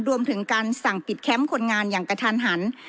รวมถึงการสั่งปิดแคมป์คนงานอย่างกระทันหัน